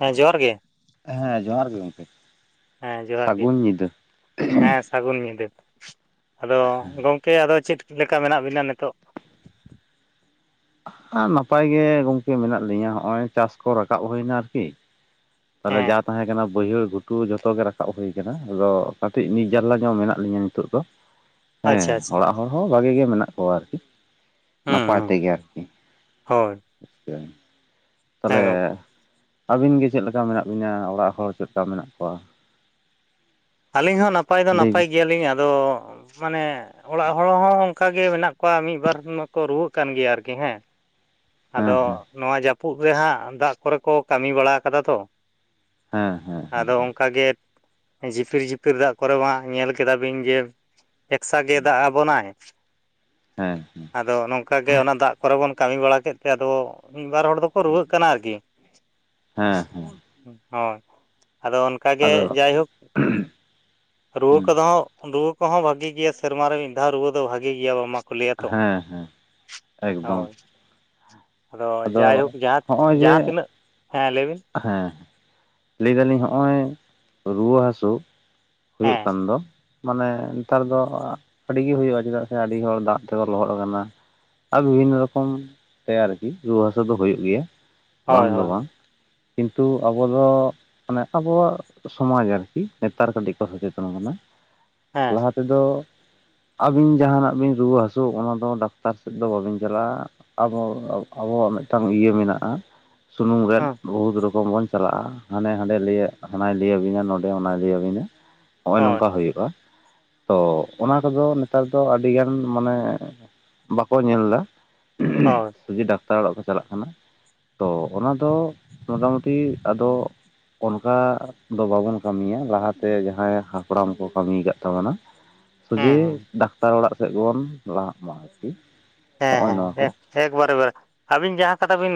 ᱦᱮᱸ ᱡᱚᱦᱟᱨ ᱜᱮ ᱦᱮᱸ ᱡᱚᱦᱟᱨ ᱜᱮ ᱜᱚᱝᱠᱮ᱾ ᱦᱮᱸ ᱡᱚᱦᱟᱨ ᱜᱮ ᱥᱟᱜᱩᱱ ᱧᱤᱫᱟᱹ᱾ ᱦᱮᱸ ᱥᱟᱹᱜᱩᱱ ᱧᱤᱫᱟᱹ ᱟᱫᱚ ᱜᱚᱝᱠᱮ ᱟᱫᱚ ᱪᱮᱫ ᱞᱮᱠᱟ ᱢᱮᱱᱟᱜ ᱵᱤᱱᱟ ᱱᱤᱛᱚᱜ? ᱦᱟ ᱱᱟᱯᱟᱭ ᱜᱮ ᱜᱚᱝᱠᱮ ᱢᱮᱱᱟᱜ ᱞᱤᱧᱟᱹ ᱦᱚᱜᱚᱭ ᱪᱟᱥ ᱠᱚ ᱨᱟᱠᱟᱵ ᱦᱩᱭᱱᱟ ᱟᱨᱠᱤ᱾ ᱟᱫᱚ ᱦᱮᱸ ᱡᱟ ᱛᱟᱦᱮᱸ ᱠᱟᱱᱟ ᱵᱟᱹᱭᱦᱟᱹᱲ ᱜᱷᱩᱴᱩ ᱡᱚᱛᱚ ᱜᱮ ᱨᱟᱠᱟᱵ ᱦᱩᱭ ᱠᱟᱱᱟ ᱟᱫᱚ ᱠᱟᱹᱴᱤᱡ ᱱᱤᱡ ᱡᱟᱨᱞᱟ ᱧᱚᱜ ᱢᱮᱱᱟᱜ ᱞᱤᱧᱟᱹ ᱱᱤᱛᱚᱜ ᱫᱚ᱾ [inaudible] ᱦᱮᱸ ᱟᱪᱪᱷᱟ ᱚᱲᱟᱜ ᱦᱚᱲ ᱦᱚᱸ ᱵᱷᱟᱜᱤ ᱜᱮ ᱢᱮᱱᱟᱜ ᱠᱚᱣᱟ ᱟᱨᱠᱤ᱾ ᱦᱩᱸ ᱱᱟᱯᱟᱭ ᱦᱩᱸ ᱛᱮᱜᱮ ᱟᱨᱠᱤ, ᱦᱳᱭ ᱦᱮᱸ ᱛᱟᱞᱦᱮ ᱜᱚᱢᱠᱮ ᱟᱹᱵᱤᱱ ᱜᱮ ᱪᱮᱜ ᱞᱮᱠᱟ ᱢᱮᱱᱟᱜ ᱵᱤᱱᱟ ᱚᱲᱟᱜ ᱦᱚᱲ ᱪᱮᱜ ᱞᱮᱠᱟ ᱢᱮᱱᱟᱜ ᱠᱚᱣᱟ? ᱟᱹᱞᱤᱧ ᱦᱚᱸ ᱱᱟᱯᱟᱭ ᱫᱚ ᱞᱟᱹᱭ ᱱᱟᱯᱟᱭ ᱵᱤᱱ᱾ ᱜᱮᱭᱟᱞᱤᱧ ᱟᱫᱚ ᱢᱟᱱᱮ ᱚᱲᱟᱜ ᱦᱚᱲ ᱦᱚᱸ ᱚᱝᱠᱟ ᱜᱮ ᱢᱮᱱᱟᱜ ᱠᱚᱣᱟ ᱢᱤᱜ ᱵᱟᱨ ᱢᱟᱠᱚ ᱨᱩᱣᱟᱹᱜ ᱠᱟᱱ ᱜᱮᱭᱟ ᱟᱨᱠᱤ ᱦᱮᱸ᱾ ᱦᱮᱸ ᱟᱫᱚ ᱦᱮᱸ ᱱᱚᱣᱟ ᱡᱟᱹᱯᱩᱫ ᱨᱮᱦᱟᱸᱜ ᱫᱟᱜ ᱠᱚᱨᱮ ᱠᱚ ᱠᱟᱹᱢᱤ ᱵᱟᱲᱟ ᱟᱠᱟᱫᱟ ᱛᱚ᱾ ᱦᱮᱸ ᱦᱮᱸ᱾ ᱟᱱᱠᱟᱜᱮ ᱡᱷᱤᱯᱤᱨ ᱡᱷᱤᱯᱤᱨ ᱫᱟᱜ ᱠᱚᱨᱮ ᱢᱟ ᱧᱮᱞ ᱠᱮᱫᱟᱵᱤᱱ ᱡᱮ ᱮᱠᱥᱟ ᱜᱮ ᱫᱟᱜ ᱟᱵᱚᱱᱟᱭ, ᱦᱮᱸ ᱟᱫᱚ ᱱᱚᱝᱠᱟ ᱜᱮ ᱚᱱᱟ ᱫᱟᱜ ᱠᱚᱨᱮ ᱵᱚᱱ ᱠᱟᱹᱢᱤ ᱵᱟᱲᱟ ᱠᱮᱫ ᱛᱮ ᱟᱫᱚ ᱢᱤᱫ ᱵᱟᱨ ᱦᱚᱲ ᱫᱚᱠᱚ ᱨᱩᱣᱟᱹᱜ ᱠᱟᱱᱟ ᱟᱨᱠᱤ᱾ ᱦᱮᱸ᱾ ᱚ ᱟᱫᱚ ᱚᱱᱠᱟᱜᱮ ᱟᱫᱚ ᱡᱟᱭᱦᱳᱠ ᱨᱩᱣᱟᱹ ᱠᱚᱫᱚ ᱦᱚᱸ ᱨᱩᱣᱟᱹ ᱠᱚᱦᱚᱸ ᱵᱷᱟᱜᱤ ᱜᱮᱭᱟ ᱥᱮᱨᱢᱟ ᱨᱮ ᱢᱤᱫ ᱫᱷᱟᱣ ᱨᱩᱣᱟᱹ ᱫᱚ ᱵᱷᱟᱜᱤ ᱜᱮᱭᱟ ᱵᱟᱝᱟᱢᱟ᱾ ᱠᱚ ᱞᱟᱹᱭ-ᱟ ᱛᱚ ᱦᱮᱸ ᱦᱮᱸ ᱮᱠᱫᱚᱢ ᱦᱳᱭ᱾ ᱟᱫᱚ ᱡᱟᱭᱦᱳᱠ ᱡᱟᱦᱟᱸ ᱡᱟᱦᱟᱸ ᱛᱤᱱᱟᱹᱜ, ᱦᱮᱸ ᱞᱟᱹᱭ ᱵᱤᱱ᱾ ᱦᱮ ᱞᱟᱹᱭ ᱫᱟᱞᱤᱧ ᱦᱚᱜᱚᱭ ᱨᱩᱣᱟᱹ ᱦᱟᱹᱥᱩ ᱦᱩᱭᱩᱜ ᱦᱮᱸ ᱠᱟᱱ ᱫᱚ᱾ ᱢᱟᱱᱮ ᱱᱮᱛᱟᱨ ᱫᱚ ᱟᱹᱰᱤ ᱜᱮ ᱦᱩᱭᱩᱜ-ᱟ ᱪᱮᱫᱟᱜ ᱥᱮ ᱟᱹᱰᱤ ᱦᱚᱲ ᱫᱟᱜ ᱛᱮᱠᱚ ᱞᱚᱦᱚᱫ ᱟᱠᱟᱱᱟ᱾ ᱟᱨ ᱵᱤᱵᱷᱤᱱᱚ ᱨᱚᱠᱚᱢ ᱛᱮᱭᱟᱨᱮ ᱨᱩᱣᱟᱹ ᱦᱟᱥᱩ ᱫᱚ ᱦᱩᱭᱩᱜ ᱜᱮᱭᱟ, ᱦᱳᱭ ᱵᱟᱝ ᱫᱚ ᱦᱳᱭ ᱵᱟᱝ, ᱠᱤᱱᱛᱩ ᱟᱵᱚ ᱫᱚ ᱢᱟᱱᱮ ᱟᱵᱚᱣᱟᱜ ᱥᱚᱢᱟᱡᱽ ᱟᱨᱠᱤ ᱱᱮᱛᱟᱨ ᱠᱟᱹᱴᱤᱡ ᱠᱚ ᱥᱚᱪᱮᱛᱚᱱ ᱠᱟᱱᱟ᱾ ᱦᱮᱸ ᱞᱟᱦᱟᱛᱮ ᱛᱮᱫᱚ ᱟᱹᱵᱤᱱ ᱡᱟᱦᱟᱱᱟᱜ ᱵᱤᱱ ᱨᱩᱣᱟᱹ ᱦᱟᱹᱥᱩᱜ ᱚᱱᱟᱫᱚ ᱰᱟᱠᱛᱟᱨ ᱥᱮᱫ ᱫᱚ ᱵᱟᱵᱤᱱ ᱪᱟᱞᱟᱜ-ᱟ, ᱟᱵᱚ ᱟᱵᱚᱣᱟᱜ ᱢᱤᱫᱴᱟᱝ ᱤᱭᱟᱹ ᱢᱮᱱᱟᱜᱼᱟ ᱥᱩᱱᱩᱢ ᱨᱮᱫ, ᱦᱮᱸ ᱵᱩᱦᱩᱛ ᱨᱚᱠᱚᱢ ᱵᱚᱱ ᱪᱟᱞᱟᱜᱼᱟ, ᱦᱟᱱᱮ ᱦᱟᱸᱰᱮ ᱞᱮᱭᱟᱜ ᱦᱟᱱᱟᱭ ᱞᱮᱭᱟᱵᱤᱱᱟ ᱱᱚᱰᱮ ᱚᱱᱟᱭ ᱞᱮᱭᱟᱵᱤᱱᱟ, ᱦᱚᱜᱼᱚᱭ ᱦᱳᱭ ᱱᱚᱝᱠᱟ ᱦᱩᱭᱩᱜᱼᱟ ᱾ ᱛᱚ ᱚᱱᱟ ᱠᱚᱫᱚ ᱱᱮᱛᱟᱨ ᱫᱚ ᱟᱹᱰᱤᱜᱟᱱ ᱢᱟᱱᱮ ᱵᱟᱠᱚ ᱧᱮᱞ ᱫᱟ ᱾ ᱦᱳᱭ ᱥᱚᱡᱷᱮ ᱰᱟᱠᱛᱟᱨ ᱚᱲᱟᱜ ᱠᱚ ᱪᱟᱞᱟᱜ ᱠᱟᱱᱟ ᱾ ᱛᱚ ᱚᱱᱟᱫᱚ ᱢᱚᱴᱟᱢᱩᱴᱤ ᱟᱫᱚ ᱚᱱᱠᱟ ᱫᱚ ᱵᱟᱵᱚᱱ ᱠᱟᱹᱢᱤᱭᱟ ᱞᱟᱦᱟᱛᱮ ᱡᱟᱦᱟᱸᱭ ᱦᱟᱯᱲᱟᱢ ᱠᱚ ᱠᱟᱹᱢᱤᱭ ᱟᱠᱟᱫ ᱛᱟᱵᱚᱱᱟ ᱾ ᱥᱚᱡᱮ ᱦᱮᱸ ᱫᱟᱠᱛᱟᱨ ᱚᱲᱟᱜ ᱥᱮᱫ ᱜᱮᱵᱚᱱ ᱞᱟᱦᱟᱜ ᱢᱟ ᱟᱨᱠᱤ ᱾ ᱦᱮᱸ ᱦᱮᱸ ᱮᱠ ᱮᱠᱵᱟᱨᱮ ᱵᱟᱨᱮ ᱟᱵᱤᱱ ᱡᱟᱦᱟᱸ ᱠᱟᱛᱷᱟ ᱵᱤᱱ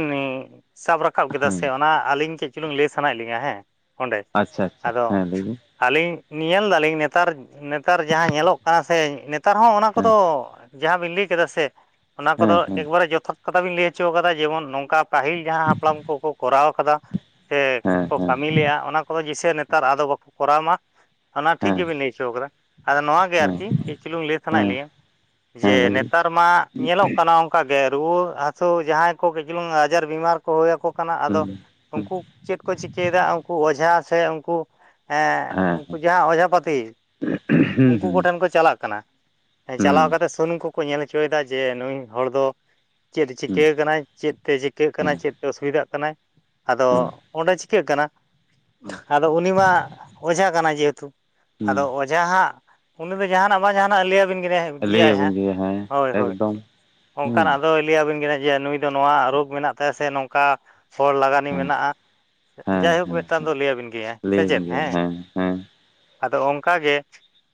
ᱥᱟᱵ ᱨᱟᱠᱟᱵ ᱠᱮᱫᱟ ᱦᱮᱸ ᱥᱮ ᱚᱱᱟ ᱟᱹᱞᱤᱧ ᱠᱟᱹᱪ ᱪᱩᱞᱤᱝ ᱞᱟᱹᱭ ᱥᱟᱱᱟᱭᱮᱜ ᱞᱤᱧᱟ ᱦᱮᱸ ᱚᱸᱰᱮ ᱟᱪᱪᱷᱟ ᱟᱪᱪᱷᱟ ᱟᱫᱚ ᱦᱮᱸ ᱞᱟᱹᱭ ᱵᱤᱱ ᱟᱹᱞᱤᱧ ᱧᱮᱞ ᱫᱟᱞᱤᱧ ᱱᱮᱛᱟᱨ ᱱᱮᱛᱟᱨ ᱡᱟᱦᱟᱸ ᱧᱮᱞᱚᱜ ᱠᱟᱱᱟ ᱥᱮ ᱱᱮᱛᱟᱨ ᱦᱚᱸ ᱚᱱᱟ ᱠᱚᱫᱚ ᱦᱮᱸ ᱡᱟᱦᱟᱸ ᱵᱤᱱ ᱞᱟᱹᱭ ᱠᱮᱫᱟ ᱥᱮ ᱚᱱᱟ ᱠᱚᱫᱚ ᱦᱮᱸ ᱦᱮᱸ ᱮᱠᱵᱟᱨᱮ ᱡᱚᱛᱷᱟᱛ ᱠᱟᱛᱷᱟ ᱵᱤᱱ ᱞᱟᱹᱭ ᱦᱚᱪᱚ ᱟᱠᱟᱫᱟ ᱡᱮᱢᱚᱱ ᱱᱚᱝ ᱠᱟ ᱯᱟᱹᱦᱤᱞ ᱡᱟᱦᱟᱸ ᱦᱟᱯᱲᱟᱢ ᱠᱚᱠᱚ ᱠᱚᱨᱟᱣ ᱠᱟᱫᱟ ᱥᱮ ᱦᱮᱸ ᱠᱚ ᱦᱮᱸ ᱠᱟᱹᱢᱤ ᱞᱮᱜᱼᱟ ᱚᱱᱟ ᱠᱚᱫᱚ ᱡᱤᱥᱮ ᱱᱮᱛᱟᱨ ᱟᱫᱚ ᱵᱟᱠᱚ ᱠᱚᱨᱟᱣ ᱢᱟ ᱚᱱᱟ ᱴᱷᱤᱠ ᱦᱮᱸ ᱜᱮᱵᱤᱱ ᱞᱟᱹᱭ ᱦᱚᱪᱚ ᱠᱟᱫᱟ ᱾ ᱟᱫᱚ ᱱᱚᱣᱟ ᱜᱮ ᱦᱮᱸ ᱟᱨᱠᱤ ᱠᱟᱹᱡ ᱪᱩᱞᱩᱝ ᱞᱟᱹᱭ ᱥᱟᱱᱟᱭᱮᱫ ᱦᱮᱸ ᱞᱤᱧᱟ ᱡᱮ ᱦᱮᱸ ᱞᱟᱹᱭ ᱵᱤᱱ ᱱᱮᱛᱟᱨ ᱢᱟ ᱧᱮᱞᱚᱜ ᱠᱟᱱᱟ ᱚᱝᱠᱟᱜᱮ ᱥᱮ ᱨᱩᱣᱟᱹ ᱦᱟᱹᱥᱩ ᱡᱟᱦᱟᱸᱭ ᱠᱚ ᱠᱟᱹᱡ ᱪᱩᱞᱩᱝ ᱟᱡᱟᱨ ᱵᱤᱢᱟᱨ ᱠᱚ ᱦᱩᱭ ᱟᱠᱚ ᱠᱟᱱᱟ ᱟᱫᱚ ᱦᱮᱸ ᱦᱮᱸ ᱩᱝᱠᱩ ᱪᱮᱫ ᱠᱚ ᱪᱤᱠᱟᱹᱭᱮᱫᱟ ᱩᱝᱠᱩ ᱚᱡᱷᱟ ᱥᱮ ᱩᱝᱠᱩ ᱦᱮᱸ ᱩᱝᱠᱩ ᱡᱟᱦᱟᱸ ᱚᱡᱷᱟᱯᱟᱹᱛᱤ ᱦᱮᱸ ᱩᱝᱠᱩ ᱦᱮᱸ ᱠᱚᱴᱷᱮᱱ ᱠᱚ ᱪᱟᱞᱟᱜ ᱠᱟᱱᱟ ᱾ ᱦᱮᱸ ᱪᱟᱞᱟᱣ ᱠᱟᱛᱮᱜ ᱥᱩᱱᱩᱢ ᱠᱚᱠᱚ ᱧᱮᱞ ᱦᱚᱪᱚᱭᱮᱫᱟ ᱡᱮ ᱱᱩᱭ ᱦᱚᱲ ᱫᱚ ᱪᱮᱫ ᱮ ᱪᱤᱠᱟᱹ ᱟᱠᱟᱱᱟᱭ ᱪᱮᱫ ᱛᱮ ᱪᱤᱠᱟᱹᱜ ᱠᱟᱱᱟᱭ ᱪᱮᱫ ᱛᱮ ᱚᱥᱩᱵᱤᱫᱟᱜ ᱠᱟᱱᱟᱭ? ᱟᱫᱚ ᱚᱸᱰᱮ ᱪᱤᱠᱟᱜ ᱠᱟᱱᱟ! ᱦᱩᱸ ᱾ ᱟᱫᱚ ᱩᱱᱤ ᱢᱟ ᱚᱡᱷᱟ ᱠᱟᱱᱟ ᱡᱮᱦᱮᱛᱩ ᱦᱮᱸ ᱟᱫᱚ ᱚ ᱡᱷᱟ ᱦᱟᱸᱜ ᱩᱱᱤ ᱫᱚ ᱡᱟᱦᱟᱱᱟᱜ ᱵᱟ ᱡᱟᱦᱱᱟᱜ ᱞᱟᱹᱭᱟᱵᱤᱱ [unintelligible] ᱜᱮᱭᱟᱭ ᱞᱟᱹᱭᱟᱵᱤᱱ ᱦᱟᱸᱜ ᱜᱮᱭᱟ ᱦᱮᱸ ᱦᱳᱭ ᱦᱳᱭ ᱮᱠᱫᱚᱢ ᱾ ᱦᱩᱸ ᱚᱱᱠᱟᱱᱟᱜ ᱟᱫᱚᱭ ᱞᱟᱹᱭᱟᱵᱤᱱ ᱠᱟᱱᱟ ᱡᱮ ᱱᱩᱭ ᱫᱚ ᱱᱚᱣᱟ ᱨᱳᱜᱽ ᱢᱮᱱᱟᱜ ᱛᱟᱭᱟ ᱥᱮ ᱱᱚᱝᱠᱟ ᱯᱷᱚᱞ ᱞᱟᱜᱟᱱᱤ ᱦᱮᱸ ᱢᱮᱱᱟᱜᱼᱟ ᱾ ᱦᱮᱸ ᱡᱟᱭᱦᱳᱠ ᱦᱮᱸ ᱢᱤᱫᱴᱟᱝ ᱫᱚ ᱦᱮᱸ ᱞᱟᱹᱭᱟᱵᱤᱱ ᱜᱮᱭᱟ ᱥᱮ ᱞᱟᱹᱭᱟᱵᱤᱱ ᱪᱮᱫ ᱜᱮᱭᱟ ᱦᱮᱸ ᱾ ᱦᱮᱸ ᱟᱫᱚ ᱚᱝᱠᱟᱜᱮ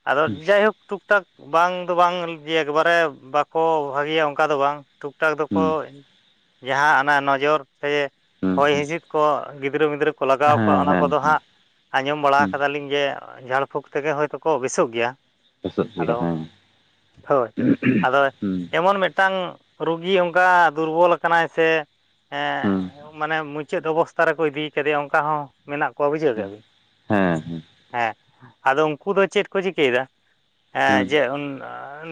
ᱟᱫᱚ ᱦᱩᱸ ᱡᱟᱭᱦᱳᱠ ᱴᱩᱠ ᱴᱟᱠ ᱵᱟᱝ ᱫᱚ ᱵᱟᱝ ᱡᱮ ᱮᱠᱵᱟᱨᱮ ᱵᱟᱠᱚ ᱵᱷᱟᱹᱜᱤᱭᱟ ᱚᱝᱠᱟ ᱫᱚ ᱵᱟᱝ ᱴᱩᱠ ᱴᱟᱠ ᱫᱚᱠᱚ ᱦᱩᱸ ᱡᱟᱦᱟᱸ ᱚᱱᱟ ᱱᱚᱡᱚᱨ ᱥᱮ ᱦᱩᱸ ᱦᱚᱭ ᱦᱩᱸ ᱦᱤᱸᱥᱤᱫ ᱠᱚ ᱜᱤᱫᱽᱨᱟᱹ ᱯᱤᱫᱽᱨᱟᱹ ᱠᱚ ᱞᱟᱜᱟᱣ ᱠᱚᱣᱟ ᱦᱮᱸ ᱚᱱᱟ ᱦᱮᱸ ᱠᱚᱫᱚ ᱦᱟᱸᱜ ᱟᱸᱡᱚᱢ ᱦᱩᱸ ᱵᱟᱲᱟ ᱠᱟᱫᱟᱞᱤᱧ ᱡᱮ ᱡᱷᱟᱲ ᱯᱷᱩᱸᱠ ᱛᱮᱜᱮ ᱦᱳᱭᱛᱳ ᱠᱚ ᱵᱮᱥᱚᱠ ᱜᱮᱭᱟ ᱾ ᱵᱮᱥᱚᱜ ᱜᱮᱭᱟ ᱦᱮᱸ, ᱦᱮᱸ ᱾ ᱡᱮᱢᱚᱱ ᱢᱤᱫᱴᱟᱝ ᱨᱩᱜᱤ ᱚᱝᱠᱟ ᱫᱩᱨᱵᱚᱞ ᱟᱠᱟᱱᱟᱭ ᱥᱮ ᱮ ᱦᱩᱸ ᱢᱟᱱᱮ ᱢᱩ ᱪᱟᱹᱫ ᱚᱵᱚᱥᱛᱟ ᱨᱮᱠᱚ ᱤᱫᱤ ᱠᱟᱫᱮᱭᱟ ᱚᱝᱠᱟ ᱦᱚᱸ ᱢᱮᱱᱟᱜ ᱠᱚᱣᱟ ᱵᱩᱡᱷᱟᱹᱣ ᱦᱩᱸ ᱠᱮᱫᱟ ᱵᱤᱱ ᱾ ᱦᱮᱸ ᱟᱫᱚ ᱩᱝᱠᱩ ᱫᱚ ᱪᱮᱫ ᱠᱚ ᱪᱤᱠᱟᱹᱭᱮᱫᱟ ᱦᱮᱸ ᱦᱩᱸ ᱡᱮ ᱩᱱ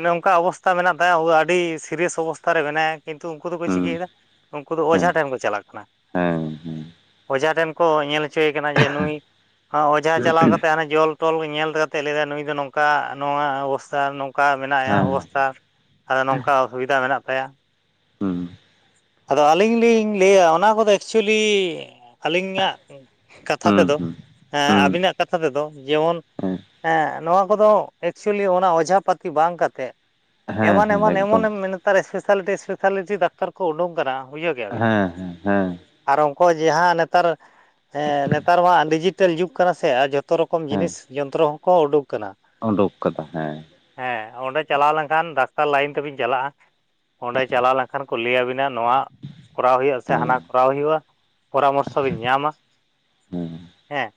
ᱱᱚᱝᱠᱟ ᱚᱵᱚᱥᱛᱟ ᱢᱮᱱᱟᱜ ᱛᱟᱭᱟ ᱩ ᱫᱚ ᱟᱹᱰᱤ ᱥᱤᱨᱤᱭᱟᱥ ᱚᱵᱚᱥᱛᱟ ᱨᱮ ᱢᱮᱱᱟᱭᱟ ᱠᱤᱱᱛᱩ ᱩᱱᱠᱩ ᱫᱚᱠᱚ ᱦᱩᱸ ᱪᱤᱠᱟᱹᱭᱮᱫᱟ? ᱩᱱᱠᱩ ᱫᱚ ᱦᱮᱸ ᱚᱡᱷᱟ ᱴᱷᱮᱱ ᱠᱚ ᱪᱟᱞᱟᱜ ᱠᱟᱱᱟ ᱦᱮᱸ ᱦᱮᱸ ᱦᱮᱸ ᱾ ᱚᱡᱷᱟ ᱴᱷᱮᱱ ᱠᱚ ᱧᱮᱞ ᱦᱚᱪᱚᱭᱮ ᱠᱟᱱᱟ ᱡᱮ ᱱᱩᱭ ᱚᱡᱷᱟ ᱪᱟᱞᱟᱣ ᱠᱟᱛᱮ ᱦᱟᱱᱮ ᱡᱚᱞ ᱴᱚᱞ ᱧᱮᱞ ᱠᱟᱛᱮᱫ ᱞᱟᱹᱭᱫᱟ ᱱᱩᱭᱫᱚ ᱱᱚᱝᱠᱟ ᱱᱚᱣᱟ ᱚᱵᱚᱥᱛᱟ ᱱᱚᱝᱠᱟ ᱢᱮᱭᱟ ᱚᱵᱚᱥᱛᱟ ᱟᱫᱚ ᱱᱚᱝᱠᱟ ᱚᱥᱩᱵᱤᱫᱟ ᱢᱮᱱᱟᱜ ᱛᱟᱭᱟ ᱾ ᱦᱩᱸ ᱾ ᱟᱫᱚ ᱟᱹᱞᱤᱧ ᱞᱤᱧ ᱞᱟᱹᱭᱟ ᱚᱱᱟ ᱠᱚᱫᱚ ᱮᱠᱪᱩᱭᱮᱞᱤ ᱟᱹᱞᱤᱧᱟᱜ ᱠᱟᱛᱷᱟ ᱦᱩᱸ ᱛᱮᱫᱚ ᱦᱩᱸ ᱦᱮᱸ ᱦᱩᱸ ᱟᱹᱵᱤᱱᱟᱜ ᱠᱟᱛᱷᱟ ᱛᱮᱫᱚ ᱡᱮᱢᱚᱱ ᱦᱮᱸ ᱮᱸᱜ ᱱᱚᱣᱟ ᱠᱚᱫᱚ ᱮᱠᱪᱩᱭᱮᱞᱤ ᱚᱱᱟ ᱚᱡᱷᱟ ᱯᱟᱹᱛᱤ ᱵᱟᱝ ᱠᱟᱛᱮᱜ ᱦᱮᱸ ᱮᱢᱟᱱ ᱦᱮᱸ ᱮᱢᱟᱱ ᱮᱠᱫᱚᱢ ᱮᱢᱚᱱ ᱮᱢ ᱢᱮᱱᱮᱫ ᱰᱟᱠᱛᱟᱨ ᱮᱥᱯᱮᱥᱟᱞᱤᱴᱤ ᱮᱥᱯᱮᱥᱟᱞᱤᱴᱤ ᱰᱟᱠᱛᱟᱨ ᱠᱚ ᱩᱰᱩᱝ ᱠᱟᱱᱟ᱾ ᱵᱩᱡᱷᱟᱹᱣ ᱜᱮᱭᱟᱵᱤᱱ? ᱦᱮᱸ ᱦᱮᱸ ᱦᱮᱸ ᱟᱨ ᱩᱱᱠᱩ ᱡᱟᱦᱟᱸ ᱱᱮᱛᱟᱨ ᱦᱮᱸ ᱱᱮᱛᱟᱨ ᱢᱟ ᱰᱤᱡᱤᱴᱮᱞ ᱡᱩᱜᱽ ᱠᱟᱱᱟ ᱥᱮ ᱟᱨ ᱡᱷᱚᱛᱚ ᱨᱚᱠᱚᱢ ᱡᱤᱱᱤᱥ ᱡᱚᱱᱛᱨᱚ ᱦᱚᱸᱠᱚ ᱩᱰᱩᱠ ᱟᱠᱟᱱᱟ᱾ ᱳᱸᱰᱳᱠ ᱠᱟᱫᱟ ᱦᱮᱸ᱾ ᱦᱮᱸ ᱚᱸᱰᱮ ᱪᱟᱞᱟᱣ ᱞᱮᱱᱠᱷᱟᱱ ᱰᱟᱠᱛᱟᱨ ᱞᱟᱭᱤᱱ ᱛᱮᱵᱤᱱ ᱪᱟᱞᱟᱜᱼᱟ᱾ ᱚᱸᱰᱮ ᱪᱟᱞᱟᱣ ᱞᱮᱱᱠᱷᱟᱱ ᱠᱚ ᱞᱟᱹᱭᱟᱵᱤᱱᱟ ᱱᱚᱣᱟ ᱠᱚᱨᱟᱣ ᱦᱩᱭᱩᱜᱼᱟ, ᱥᱮ ᱦᱟᱱᱟ ᱠᱚᱨᱟᱣ ᱦᱩᱭᱩᱜᱼᱟ᱾ ᱯᱚᱨᱟᱢᱚᱨᱥᱚ ᱵᱤᱱ ᱧᱟᱢᱟ, ᱦᱮᱸ ᱦᱮᱸ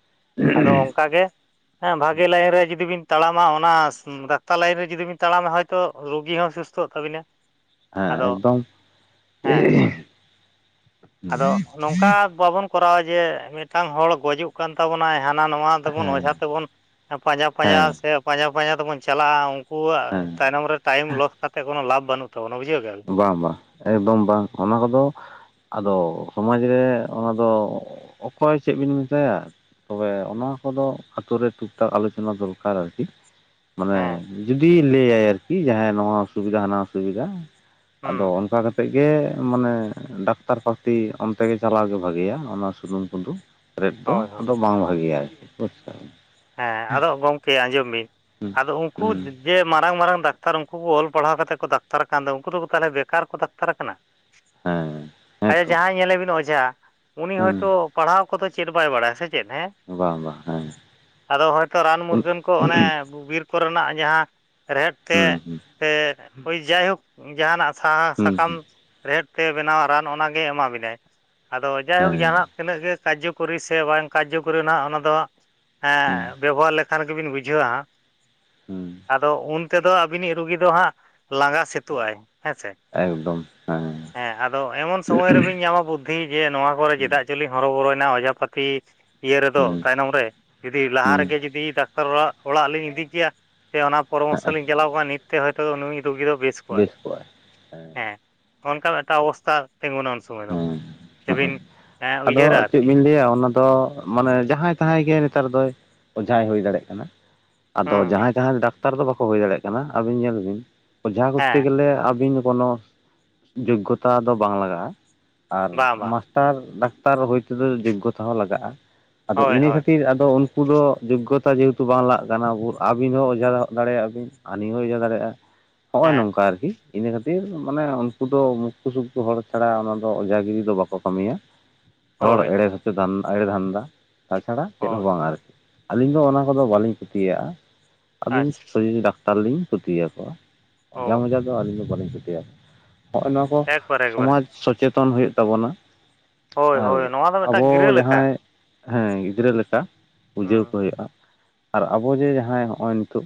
ᱟᱫᱚ ᱚᱱᱠᱟᱜᱮ ᱦᱮᱸ ᱵᱷᱟᱜᱮ ᱞᱟᱭᱤᱱ ᱨᱮ ᱡᱩᱫᱤ ᱵᱤᱱ ᱛᱟᱲᱟᱢᱟ ᱚᱱᱟ ᱰᱟᱠᱛᱟᱨ ᱞᱟᱭᱤᱱ ᱨᱮ ᱡᱩᱫᱤ ᱵᱤᱱ ᱛᱟᱲᱟᱢᱟ ᱦᱚᱭᱛᱚ ᱨᱩᱜᱤ ᱦᱚᱸ ᱥᱩᱥᱛᱷᱚᱜ ᱛᱟᱵᱤᱱᱟ᱾ ᱦᱮᱸ ᱟᱫᱚ, ᱮᱠᱫᱚᱢ ᱦᱮᱸ᱾ [inaudible] ᱟᱫᱚ ᱱᱚᱝᱠᱟ ᱵᱟᱵᱚᱱ ᱠᱚᱨᱟᱣᱟ ᱡᱮ ᱢᱤᱫᱴᱟᱝ ᱦᱚᱲ ᱜᱚᱡᱩᱜ ᱠᱟᱱ ᱛᱟᱵᱚᱱᱟᱭ ᱦᱟᱱᱟ ᱱᱚᱣᱟ ᱫᱚᱵᱚᱱ ᱦᱮᱸ ᱚᱡᱷᱟ ᱛᱮᱵᱚᱱ ᱯᱟᱸᱡᱟ ᱯᱟᱸᱡᱟ ᱦᱮᱸ ᱥᱮ ᱯᱟᱸᱡᱟ ᱯᱟᱸᱡᱟ ᱛᱮᱵᱚᱱ ᱪᱟᱞᱟᱜᱼᱟ ᱩᱱᱠᱩᱣᱟᱜ ᱛᱟᱭᱱᱚᱢ ᱨᱮ ᱴᱟᱭᱤᱢ ᱞᱚᱥ ᱠᱟᱛᱮ ᱠᱚᱱᱳ ᱞᱟᱵᱷ ᱵᱟᱱᱩᱜ ᱛᱟᱵᱚᱱᱟ᱾ ᱵᱡᱷᱟᱹᱣ ᱠᱮᱫ ᱟᱹᱵᱤᱱ? ᱵᱟᱝ ᱵᱟᱝ ᱮᱠᱫᱚᱢ ᱵᱟᱝ᱾ ᱚᱱᱟ ᱠᱚᱫᱚ, ᱟᱫᱚ ᱥᱚᱢᱟᱡᱽ ᱨᱮ ᱚᱱᱟ ᱫᱚ ᱚᱠᱚᱭ ᱪᱮᱫ ᱵᱤᱱ ᱢᱮᱛᱟᱭᱟ᱾ ᱛᱚᱵᱮ ᱚᱱᱟ ᱠᱚᱫᱚ ᱟᱛᱳ ᱨᱮ ᱴᱩᱠ ᱴᱟᱠ ᱟᱞᱳᱪᱚᱱᱟ ᱫᱚᱨᱠᱟᱨ ᱟᱨᱠᱤ᱾ ᱢᱟᱱᱮ ᱦᱮᱸ ᱡᱩᱫᱤ ᱞᱟᱹᱭᱟᱭ ᱟᱨᱠᱤ ᱡᱟᱦᱟᱸᱭ ᱱᱚᱣᱟ ᱚᱥᱩᱵᱤᱫᱷᱟ ᱦᱟᱱᱟ ᱚᱥᱩᱵᱤᱫᱷᱟ᱾ ᱦᱩᱸ ᱟᱫᱚ ᱚᱱᱠᱟ ᱠᱟᱛᱮᱫ ᱜᱮ ᱢᱟᱱᱮ ᱰᱟᱠᱛᱟᱨ ᱯᱟᱹᱛᱤ ᱚᱱᱛᱮ ᱜᱮ ᱪᱟᱞᱟᱣ ᱜᱮ ᱵᱷᱟᱜᱮᱭᱟ ᱚᱱᱟ ᱥᱩᱱᱩᱢ ᱠᱚᱫᱚ᱾ ᱨᱮᱫ ᱫᱚ ᱦᱳᱭ ᱦᱳᱭ ᱟᱫᱚ ᱵᱟᱝ ᱵᱷᱟᱜᱮᱭᱟ ᱟᱨᱠᱤ᱾ ᱵᱩᱡ ᱠᱮᱫᱟᱵᱤᱱ? ᱦᱮᱸ ᱟᱫᱚ ᱜᱚᱝᱠᱮ ᱟᱸᱡᱚᱢ ᱵᱤᱱ ᱦᱩᱸ ᱟᱫᱚ ᱩᱱᱠᱩ ᱦᱩᱸ ᱡᱮ ᱢᱟᱨᱟᱝ ᱢᱟᱨᱟᱝ ᱰᱟᱠᱛᱟᱨ ᱩᱱᱠᱩ ᱠᱚ ᱚᱞ ᱯᱟᱲᱦᱟᱣ ᱠᱟᱛᱮᱫ ᱠᱚ ᱰᱟᱠᱛᱟᱨ ᱠᱟᱱ ᱫᱚ ᱩᱱᱠᱩ ᱫᱚ ᱛᱟᱦᱚᱞᱮ ᱵᱮᱠᱟᱨ ᱠᱚ ᱰᱟᱠᱛᱟᱨ ᱠᱟᱱᱟ᱾ ᱦᱮᱸ ᱟᱭᱮ ᱦᱮᱸᱛᱚ ᱡᱟᱦᱟᱸᱭ ᱧᱮᱞᱮᱵᱤᱱ ᱚᱡᱷᱟ᱾ ᱩᱱᱤ ᱦᱚᱭᱛᱚ ᱦᱩᱸ ᱯᱟᱲᱦᱟᱣ ᱠᱚᱫᱚ ᱪᱮᱫ ᱵᱟᱭ ᱵᱟᱲᱟᱭᱟ, ᱥᱮ ᱪᱮᱫ? ᱦᱮᱸ᱾ ᱵᱟᱝ ᱵᱟᱝ ᱦᱮᱸ᱾ ᱟᱫᱚ ᱦᱚᱭᱛᱚ ᱨᱟᱱ ᱦᱩᱸ ᱢᱩᱨᱜᱟᱹᱱ ᱠᱚ ᱚᱱᱮ ᱵᱤᱨ ᱠᱚᱨᱮᱱᱟᱜ ᱡᱟᱦᱟᱸ ᱨᱮᱦᱮᱫ ᱛᱮ, ᱦᱩᱸ ᱥᱮ ᱦᱳᱭ ᱡᱟᱭᱦᱳᱠ ᱡᱟᱦᱟᱱᱟᱜ ᱥᱟᱦᱟ ᱦᱩᱸ ᱥᱟᱠᱟᱢ ᱦᱩᱸ ᱨᱮᱦᱮᱫ ᱛᱮ ᱵᱮᱱᱟᱣᱟ ᱨᱟᱱ ᱚᱱᱟᱜᱮ ᱮᱢᱟ ᱵᱤᱱᱟᱭ, ᱟᱫᱚ ᱡᱟᱭᱦᱳᱠ ᱦᱮᱸ ᱡᱟᱦᱟᱸ ᱛᱤᱱᱟᱹᱜ ᱜᱮ ᱠᱟᱨᱡᱚ ᱠᱚᱨᱤ ᱥᱮ ᱵᱟᱝ ᱠᱟᱨᱡᱚ ᱠᱚᱨᱤ ᱦᱟᱸᱜ ᱚᱱᱟ ᱫᱚ ᱦᱟᱸᱜ ᱦᱩᱸ ᱮᱸ ᱵᱮᱵᱚᱦᱟᱨ ᱞᱮᱠᱷᱟᱱ ᱜᱮᱵᱤᱱ ᱵᱩᱡᱷᱟᱹᱣᱟ ᱦᱟᱜ᱾ ᱦᱩᱸ ᱟᱫᱚ ᱩᱱ ᱛᱮᱫᱚ ᱟᱵᱤᱱᱤᱡ ᱨᱩᱜᱤ ᱫᱚ ᱦᱟᱸᱜ ᱞᱟᱸᱜᱟ ᱥᱮᱛᱩᱜᱼᱟᱭ᱾ ᱦᱮᱸᱥᱮ? ᱦᱮᱸ ᱟᱫᱚ ᱮᱢᱚᱱ ᱥᱚᱢᱚᱭ ᱨᱮᱵᱤᱱ ᱧᱟᱢᱟ ᱵᱩᱫᱽ ᱫᱷᱤ ᱡᱮ ᱱᱚᱣᱟ ᱠᱚᱨᱮ ᱦᱩᱸ ᱪᱮᱫᱟᱜ ᱪᱚᱞᱤᱧ ᱦᱚᱨᱚ ᱵᱚᱨᱚᱭᱮᱱᱟ ᱚᱡᱷᱟᱯᱟᱹᱛᱤ ᱤᱭᱟᱹ ᱨᱮᱫᱚ, ᱦᱩᱸ ᱛᱟᱭᱱᱚᱢ ᱨᱮ᱾ ᱡᱩᱫᱤ ᱞᱟᱦᱟ ᱦᱩᱸ ᱨᱮᱜᱮ ᱡᱩᱫᱤ ᱰᱟᱠᱛᱟᱨ ᱚᱲᱟᱜ, ᱚᱲᱟᱜ ᱞᱤᱧ ᱤᱫᱤ ᱠᱮᱭᱟ ᱥᱮ ᱚᱱᱟ ᱯᱚᱨᱟᱢᱚᱨᱥᱚ ᱞᱤᱧ ᱪᱟᱞᱟᱣ ᱠᱚᱜᱼᱟ ᱱᱤᱛ - ᱛᱮ ᱦᱚᱭᱛᱚ ᱱᱩᱭ ᱨᱩᱜᱤ ᱫᱚ ᱵᱮᱥ ᱠᱚᱜᱼᱟᱭ᱾ ᱦᱮᱸ ᱚᱱᱠᱟ ᱮᱴᱟᱜ ᱚᱵᱚᱥᱛᱟ ᱛᱤᱸᱜᱩᱱᱟ ᱥᱚᱢᱚᱭ ᱫᱚ, ᱦᱮᱸ ᱥᱮᱵᱤᱱ ᱦᱮᱸ ᱮᱸ ᱩᱭᱦᱟᱹᱨᱟ ᱟᱫᱚ ᱪᱮᱫ ᱟᱨᱠᱤ᱾ ᱵᱤᱱ ᱞᱟᱹᱭᱟ ᱚᱱᱟ᱾ ᱫᱚ ᱢᱟᱱᱮ ᱡᱟᱦᱟᱸᱭ ᱛᱟᱦᱟᱸᱭ ᱜᱮ ᱱᱮᱛᱟᱨ ᱫᱚᱭ ᱚᱡᱷᱟᱭ ᱦᱩᱭ ᱫᱟᱲᱮᱜ ᱠᱟᱱᱟ᱾ ᱟᱫᱚ ᱦᱩᱸ ᱡᱟᱦᱟᱸᱭ ᱡᱟᱦᱟᱸᱭ ᱰᱟᱠᱛᱟᱨ ᱫᱚ ᱵᱟᱠᱚ ᱦᱩᱭ ᱫᱟᱲᱮᱭᱟᱜ ᱠᱟᱱᱟ, ᱟᱹᱵᱤᱱ ᱧᱮᱞ ᱵᱤᱱ᱾ ᱚᱡᱷᱟ ᱠᱚᱨᱛᱮ ᱦᱮᱸ ᱜᱮᱞᱮ ᱟᱵᱤᱱ ᱫᱚ ᱠᱳᱱᱚ ᱡᱳᱜᱽᱜᱚᱛᱟ ᱫᱚ ᱵᱟᱝ ᱞᱟᱜᱟᱜᱼᱟ᱾ ᱟᱨ ᱵᱟᱝ ᱵᱟᱝ ᱢᱟᱥᱴᱟᱨ ᱰᱟᱠᱛᱟᱨ ᱦᱩᱭ ᱛᱮᱫᱚ ᱡᱳᱜᱜᱚᱛᱟ ᱦᱚᱸ ᱞᱟᱜᱟᱜᱼᱟ᱾ ᱟᱫᱚ ᱦᱳᱭ ᱤᱱᱟᱹ ᱦᱳᱭ ᱠᱷᱟᱹᱛᱤᱨ ᱟᱫᱚ ᱩᱱ -ᱠᱩ ᱫᱚ ᱡᱳᱜᱽᱜᱚᱛᱟ ᱡᱮᱦᱮᱛᱩ ᱵᱟᱝ ᱞᱟᱜ ᱠᱟᱱᱟ ᱟᱹᱵᱤᱱ ᱦᱚᱸ ᱚᱡᱷᱟ ᱫᱟᱲᱮᱭᱟᱜ ᱟᱵᱤᱱ᱾ ᱟᱹᱞᱤᱧ ᱦᱚᱸ ᱚᱡᱷᱟ ᱫᱟᱲᱮᱭᱟᱜᱼᱟ᱾ ᱱᱚᱜᱼᱚᱭ ᱦᱮᱸ ᱱᱚᱝᱠᱟ ᱟᱨᱠᱤ ᱤᱱᱟᱹ ᱠᱷᱟᱹᱛᱤᱨ ᱢᱟᱱᱮ ᱩᱱᱠᱩ ᱫᱚ ᱢᱩᱠᱠᱩᱥᱩᱠᱠᱩ ᱦᱚᱲ ᱪᱷᱟᱲᱟ ᱚᱱᱟ ᱫᱚ ᱚᱡᱷᱟ ᱜᱤᱨᱤ ᱫᱚ ᱵᱟᱠᱚ ᱠᱟᱹᱢᱤᱭᱟ, ᱦᱚᱲ ᱦᱳᱭ ᱮᱲᱮ ᱦᱚᱪᱚ ᱫᱷᱟᱱᱫᱟ ᱮᱲᱮ ᱫᱷᱟᱱᱫᱟ᱾ ᱛᱟᱪᱷᱟᱲᱟ ᱪᱮᱫ ᱦᱚᱸ ᱦᱳᱭ ᱵᱟᱝ ᱟᱹᱨᱠᱤ, ᱟᱹᱞᱤᱧ ᱫᱚ ᱚᱱᱟ ᱠᱚᱫᱚ ᱵᱟᱹᱞᱤᱧ ᱯᱤᱛᱤᱭᱟᱹᱜ-ᱟ᱾ ᱟᱪᱪᱷᱟ [unintelligible] ᱛᱟᱨ ᱞᱤᱧ ᱯᱤᱛᱤᱭᱟᱹᱣᱟ ᱠᱚᱣᱟ, ᱚᱡᱷᱟ ᱦᱳᱭ ᱢᱚᱡᱟ ᱫᱚ ᱟᱹᱞᱤᱧ ᱫᱚ ᱵᱟᱹᱞᱤᱧ ᱯᱤᱛᱤᱭᱟᱹᱣᱟ ᱠᱚᱣᱟ᱾ ᱦᱚᱸᱜ-ᱚᱭ ᱱᱚᱣᱟ ᱠᱚ, ᱮᱠᱵᱟᱨᱮ ᱮᱠᱵᱟᱨᱮ ᱥᱚᱢᱟᱡᱽ ᱥᱚᱪᱮᱛᱚᱱ ᱦᱩᱭᱩᱜ ᱛᱟᱵᱚᱱᱟ᱾ ᱦᱳᱭ ᱟᱨ ᱦᱳᱭ ᱱᱚᱣᱟ ᱫᱚ ᱟᱵᱚ ᱢᱤᱫᱴᱟᱝ ᱜᱤᱨᱟᱹ ᱞᱮᱠᱟ ᱡᱟᱦᱟᱸᱭ ᱦᱮᱸ ᱜᱤᱫᱽᱨᱟᱹ ᱞᱮᱠᱟ ᱵᱩᱡᱷᱟᱹᱣ ᱠᱚ ᱦᱩᱸ ᱦᱩᱭᱩᱜ-ᱟ, ᱟᱨ ᱟᱵᱚ ᱡᱮ ᱡᱟᱦᱟᱸᱭ ᱦᱚᱸᱜ-ᱚᱭ ᱱᱤᱛᱚᱜ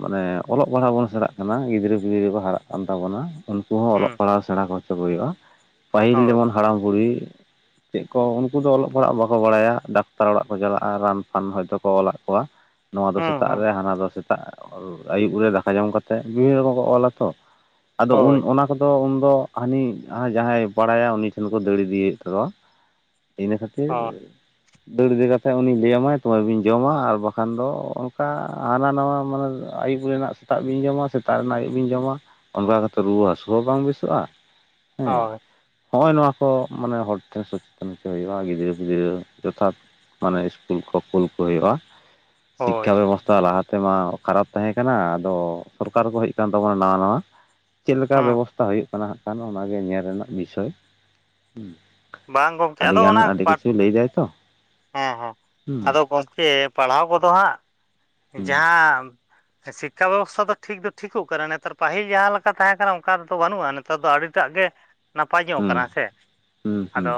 ᱢᱟᱱᱮ ᱚᱞᱚᱜ ᱯᱟᱲᱦᱟᱜ ᱵᱚᱱ ᱥᱮᱬᱟᱜ ᱠᱟᱱᱟ, ᱜᱤᱫᱽᱨᱟᱹ ᱯᱤᱫᱽᱨᱟᱹ ᱠᱚ ᱦᱟᱨᱟᱜ ᱠᱟᱱ ᱛᱟᱵᱚᱱᱟ, ᱩᱱᱠᱩ ᱦᱚᱸ ᱚᱞᱚᱜ ᱦᱩᱸ ᱯᱟᱲᱦᱟᱣ ᱥᱮᱬᱟ ᱠᱚ ᱦᱚᱪᱚ ᱠᱚ ᱦᱩᱭᱩᱜ-ᱟ, ᱯᱟᱹᱦᱤᱞ ᱦᱳᱭ ᱡᱮᱢᱚᱱ ᱦᱟᱲᱟᱢ ᱵᱩᱲᱦᱤ ᱪᱮᱫ ᱠᱚ ᱩᱱᱠᱩ ᱫᱚ ᱚᱞᱚᱜ ᱯᱟᱲᱦᱟᱜ ᱵᱟᱠᱚ ᱵᱟᱲᱟᱭᱟ, ᱰᱟᱠᱛᱟᱨ ᱚᱲᱟᱜ ᱠᱚ ᱪᱟᱞᱟᱜ-ᱟ ᱨᱟᱱ ᱯᱷᱟᱱ ᱦᱚᱭᱛᱳ ᱠᱚ ᱚᱞᱟᱜ ᱠᱚᱣᱟ ᱱᱚᱣᱟ ᱫᱚ ᱦᱩᱸ ᱥᱮᱛᱟᱜ ᱦᱩᱸ ᱨᱮ ᱦᱟᱱᱟ ᱫᱚ ᱥᱮ ᱛᱟᱜ, ᱟᱹᱭᱩᱵ ᱨᱮ ᱫᱟᱠᱟ ᱡᱚᱢ ᱠᱟᱛᱮ, ᱵᱤᱵᱷᱤᱱᱱᱚ ᱨᱚᱠᱚᱢ ᱠᱚ ᱚᱞᱟ ᱛᱚ᱾ ᱟᱫᱚ ᱦᱳᱭ ᱩᱱ ᱚᱱᱟ ᱠᱚᱫᱚ ᱩᱱᱫᱚ ᱦᱟᱹᱱᱤ ᱟᱨ ᱡᱟᱦᱟᱸᱭ ᱵᱟᱲᱟᱭᱟ ᱩᱱᱤ ᱴᱷᱮᱱ ᱠᱚ ᱫᱟᱹᱲ ᱤᱫᱤᱭᱮᱫ ᱛᱚ ᱤᱱᱟᱹ ᱠᱷᱟᱹᱛᱤᱨ ᱦᱳᱭ ᱫᱟᱹᱲ ᱤᱫᱤ ᱠᱟᱛᱮᱫ ᱩᱱᱤ ᱞᱟᱹᱭᱟ ᱢᱟᱭ ᱛᱚᱵᱮ ᱵᱤᱱ ᱡᱚᱢᱟ, ᱟᱨ ᱵᱟᱠᱷᱟᱱ ᱫᱚ ᱚᱱᱠᱟ ᱦᱟᱱᱟ ᱱᱟᱣᱟ ᱢᱟᱱᱮ ᱟᱹᱭᱩᱵᱽ ᱨᱮᱱᱟᱜ ᱥᱮᱛᱟᱜ ᱵᱤᱱ ᱡᱚᱢᱟ, ᱥᱮᱛᱟᱜ ᱨᱮᱱᱟᱜ ᱟᱹᱭᱩᱵᱽ ᱵᱤᱱ ᱡᱚᱢᱟ᱾ ᱚᱱᱠᱟ ᱠᱟᱛᱮᱫ ᱨᱩᱣᱟᱹ ᱦᱟᱹᱥᱩ ᱦᱚᱸ ᱵᱟᱝ ᱵᱮᱥᱚᱜ-ᱟ᱾ ᱦᱳᱭ᱾ ᱦᱚᱸᱜ-ᱚᱭ ᱱᱚᱣᱟ ᱠᱚ ᱢᱟᱱᱮ ᱦᱚᱲ ᱴᱷᱮᱱ ᱥᱚᱪᱮᱛᱚᱱ ᱦᱚᱪᱚ ᱦᱩᱭᱩᱜ-ᱟ ᱜᱤᱫᱽᱨᱟᱹ ᱯᱤᱫᱽᱨᱟᱹ ᱡᱚᱛᱷᱟᱛ ᱢᱟᱱᱮ ᱥᱠᱩᱞ ᱠᱚ ᱠᱩᱞ ᱠᱚ ᱦᱳᱭᱳᱜ-ᱟ, ᱥᱤᱠᱠᱷᱟ ᱦᱳᱭ ᱵᱮᱵᱚᱥᱛᱷᱟ ᱞᱟᱦᱟ ᱛᱮᱢᱟ ᱠᱷᱟᱨᱟᱯ ᱛᱟᱦᱮᱸ ᱠᱟᱱᱟ, ᱟᱫᱚ ᱥᱚᱨᱠᱟᱨ ᱠᱚ ᱦᱮᱡ ᱠᱟᱱ ᱛᱟᱵᱚᱱᱟ ᱱᱟᱣᱟ ᱱᱟᱣᱟ, ᱪᱮᱫ ᱞᱮᱠᱟ ᱦᱮᱸ ᱵᱮᱵᱚᱥ ᱛᱷᱟ ᱦᱩᱭᱩᱜ ᱠᱟᱱᱟ ᱦᱟᱸᱜ ᱠᱷᱟᱱ ᱚᱱᱟᱜᱮ ᱧᱮᱞ ᱨᱮᱱᱟᱜ ᱵᱤᱥᱚᱭ, ᱦᱩᱸ᱾ ᱵᱟᱝ ᱜᱚᱝᱠᱮ ᱟᱫᱚ ᱚᱱᱟ ᱯᱟᱴ, ᱛᱚ ᱦᱮᱸ ᱦᱮᱸ, ᱦᱩᱸ ᱟᱫᱚ ᱜᱚᱝᱠᱮ ᱯᱟᱲᱦᱟᱣ ᱠᱚᱫᱚ ᱦᱟᱸᱜ, ᱦᱩᱸ ᱡᱟᱦᱟᱸ ᱥᱤᱠᱠᱷᱟ ᱵᱮᱵᱚᱥᱛᱷᱟ ᱫᱚ ᱴᱷᱤᱠ ᱫᱚ ᱴᱷᱤᱠᱚᱜ ᱠᱟᱱᱟ ᱱᱮᱛᱟᱨ, ᱯᱟᱹᱦᱤᱞ ᱡᱟᱦᱟᱸ ᱞᱮᱠᱟ ᱛᱟᱦᱮᱸ ᱠᱟᱱᱟ ᱚᱝᱠᱟ ᱫᱚ ᱵᱟᱹᱱᱩᱜ-ᱟ ᱱᱤ ᱛᱟᱨ ᱫᱚ ᱟᱹᱰᱤᱴᱟᱜ ᱜᱮ ᱱᱟᱯᱟᱭ ᱧᱚᱜ ᱦᱩᱸ ᱠᱟᱱᱟ ᱦᱮᱸ ᱥᱮ᱾ ᱦᱩᱸ ᱦᱩᱸ ᱟᱫᱚ,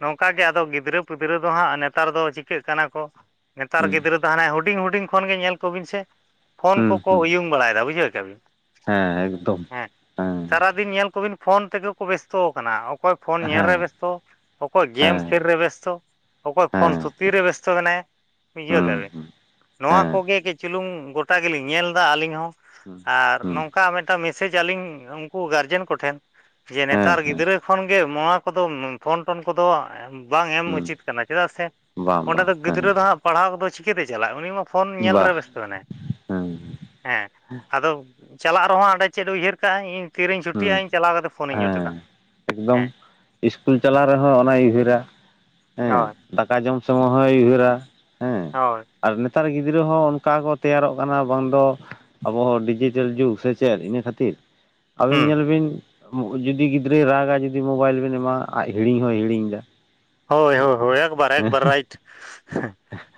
ᱱᱚᱝᱠᱟ ᱜᱮ ᱟᱫᱚ ᱜᱤᱫᱽᱨᱟᱹ, ᱯᱤᱫᱽᱨᱟᱹ ᱫᱚ ᱦᱟᱸᱜ ᱱᱮᱛᱟᱨ ᱫᱚ ᱪᱤᱠᱟᱹᱜ ᱠᱟᱱᱟ ᱠᱚ᱾ ᱱᱮᱛᱟᱨ ᱦᱩᱸ ᱜᱤᱫᱽᱨᱟᱹ ᱫᱚ ᱦᱟᱱᱮ‌ ᱦᱩᱰᱤᱧ ᱦᱩᱰᱤᱧ ᱠᱷᱚᱱ ᱜᱮ ᱧᱮᱞ ᱠᱚᱵᱤᱱ ᱥᱮ ᱯᱷᱳᱱ ᱦᱩᱸ ᱠᱚᱠᱚ ᱦᱩᱸ ᱩᱭᱩᱝ ᱵᱟᱲᱟᱭᱮᱫᱟ ᱵᱩᱡᱷᱟᱹᱣ ᱠᱮᱜ-ᱟ ᱵᱤᱱ, ᱦᱮᱸ ᱮᱠᱫᱚᱢ ᱦᱮᱸ, ᱦᱮᱸ ᱥᱟᱨᱟ ᱫᱤᱱ ᱧᱮᱞ ᱠᱚᱵᱤᱱ ᱯᱷᱳᱱ ᱛᱮᱜᱮ ᱠᱚ ᱵᱮᱥᱛᱚ ᱠᱟᱱᱟ, ᱚᱠᱚᱭ ᱯᱷᱳᱱ ᱧᱮᱞ ᱦᱮᱸ ᱨᱮ ᱵᱮᱥᱛᱚ, ᱚᱠᱚᱭ ᱜᱮᱢ ᱦᱮᱸ ᱠᱷᱮᱞ ᱨᱮ ᱵᱮᱥᱛᱚ, ᱚᱠᱚᱭ ᱯᱷᱳᱱ ᱦᱮᱸ ᱛᱷᱩ ᱛᱤ ᱨᱮ ᱵᱮᱥᱛᱚ ᱢᱮᱱᱟᱭᱟ, ᱵᱩᱡᱷᱟᱹᱣ ᱠᱮᱜ ᱦᱩᱸ ᱟᱵᱤᱱ᱾ ᱦᱩᱸ ᱱᱚᱣᱟ ᱦᱮᱸ ᱠᱚ ᱜᱮ ᱠᱟᱹᱡ ᱪᱩᱞᱩᱝ ᱜᱚᱴᱟ ᱜᱮᱞᱤᱧ ᱧᱮᱞ ᱮᱫᱟ ᱟᱹᱞᱤᱧ ᱦᱚᱸ᱾ ᱦᱩᱸ ᱟᱨ ᱦᱩᱸ ᱱᱚᱝᱠᱟ ᱢᱤᱫᱴᱟᱝ ᱢᱮᱥᱮᱡ ᱟᱞᱤᱧ ᱩᱱᱠᱩ ᱜᱟᱨᱡᱮᱱ ᱠᱚᱴᱷᱮᱱ ᱡᱮ ᱦᱮᱸ ᱱᱮᱛᱟᱨ ᱦᱮᱸ ᱜᱤᱫᱽᱨᱟᱹ ᱠᱷᱚᱱ ᱜᱮ ᱱᱚᱣᱟ ᱠᱚᱫᱚ ᱯᱷᱳᱱ ᱴᱚᱱ ᱠᱚᱫᱚ ᱮᱢ ᱵᱟᱝ ᱮᱢ ᱦᱩᱸ ᱩᱪᱤᱛ ᱠᱟᱱᱟ ᱪᱮᱫᱟᱜ ᱥᱮ, ᱵᱟᱝ ᱚᱸᱰᱮ ᱵᱟᱝ ᱫᱚ ᱦᱮᱸ ᱜᱤᱫᱽᱨᱟᱹ ᱫᱚ ᱦᱟᱸᱜ ᱯᱟᱲᱦᱟᱣ ᱠᱚᱫᱚ ᱪᱤᱠᱟᱹᱛᱮ ᱪᱟᱞᱟᱜ-ᱟ, ᱩᱱᱤ ᱢᱟ ᱯᱷᱳᱱ ᱧᱮᱞ ᱨᱮ ᱵᱟᱦ ᱵᱮᱥᱛᱚ ᱢᱮᱱᱟᱭᱟ᱾ ᱦᱮᱸ ᱦᱮᱸ, ᱟᱫᱚ ᱪᱟᱞᱟᱜ ᱨᱮᱦᱚᱸ ᱦᱟᱸᱰᱮ ᱪᱮᱫ ᱩᱭᱦᱟᱹᱨ ᱠᱟᱜ-ᱟᱭ, ᱤᱧ ᱛᱤ ᱨᱤᱧ ᱦᱩᱸ ᱪᱷᱩᱴᱤᱜ-ᱟ ᱤᱧ ᱪᱟᱞᱟᱣ ᱠᱟᱛᱮ ᱯᱷᱳᱱᱮᱧ ᱡᱚᱴᱮᱫᱟ, ᱦᱮᱸ᱾ ᱥᱠᱩᱞ ᱪᱟᱞᱟᱣ ᱨᱮᱦᱚᱸ ᱚᱱᱟᱭ ᱩᱭᱦᱟᱹᱨᱟ᱾ ᱦᱮᱸ ᱦᱳᱭ᱾ ᱫᱟᱠᱟ ᱡᱚᱢ ᱥᱚᱢᱚᱭ ᱦᱚᱸᱭ ᱩᱭᱦᱟᱹᱨᱟ ᱦᱮᱸ, ᱦᱳᱭ᱾ ᱟᱨ ᱱᱮᱛᱟᱨ ᱜᱤᱫᱽᱨᱟᱹ ᱦᱚᱸ ᱚᱱᱠᱟ ᱠᱚ ᱛᱮᱭᱟᱨᱚᱜ ᱠᱟᱱᱟ ᱵᱟᱝ ᱫᱚ ᱟᱵᱚ ᱦᱚᱸ ᱰᱤᱡᱤᱴᱮᱞ ᱡᱩᱜᱽ ᱥᱮ ᱪᱮᱫ ᱤᱱᱟᱹ ᱠᱷᱟᱹᱛᱤᱨ, ᱟᱹᱵᱤᱱ ᱦᱩᱸ ᱧᱮᱞ ᱵᱤᱱ ᱡᱩᱜ ᱡᱩᱫᱤ ᱜᱤᱫᱽᱨᱟᱹᱭ ᱨᱟᱜᱟ ᱡᱩᱫᱤ ᱢᱳᱵᱟᱭᱤᱞ ᱵᱮᱱ ᱮᱢᱟ ᱟᱡ ᱦᱤᱧ ᱦᱚᱸᱭ ᱦᱤᱲᱤᱧ ᱮᱫᱟ᱾ ᱦᱳᱭ ᱦᱳᱭ ᱦᱳᱭ ᱮᱠ ᱵᱟᱨᱮ ᱮᱠ ᱵᱟᱨᱮ ᱨᱟᱭᱤᱴ᱾